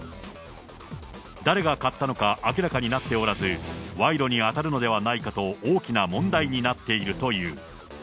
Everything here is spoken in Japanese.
誰が買ったのか明らかになっておらず、賄賂に当たるのではないかと大きな問題になっているという。